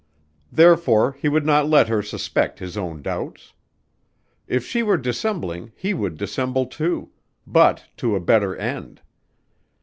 Therefore, he would not let her suspect his own doubts. If she were dissembling he would dissemble, too, but to a better end.